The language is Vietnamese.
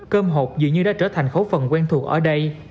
công hột dự như đã trở thành khấu phần quen thuộc ở đây